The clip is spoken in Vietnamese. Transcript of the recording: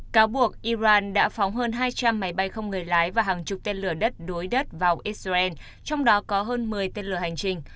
cáo buộc iran đã phóng hơn hai trăm linh máy bay không người lái và hàng chục tên lửa đất đối đất vào israel trong đó có hơn một mươi tên lửa hành trình